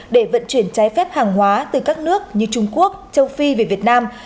để vận chuyển trái phép hàng hóa từ các nước như trung quốc châu phi về việt nam